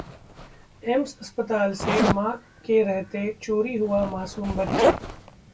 AIIMS अस्पताल से मां के रहते चोरी हुआ मासूम बच्चा